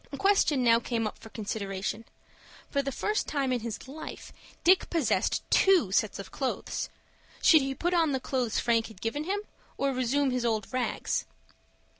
A question now came up for consideration. For the first time in his life Dick possessed two suits of clothes. Should he put on the clothes Frank had given him, or resume his old rags?